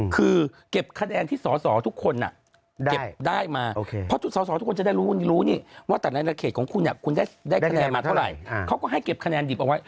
คือเก็บคะแนนที่สอทุกคนเก็บได้มา